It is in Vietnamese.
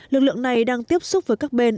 lực lượng này đang tiếp xúc với các bên